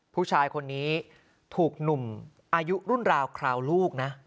ผู้ชายคนนี้ถูกหนุ่มอายุรุ่นราวคราวลูกนะ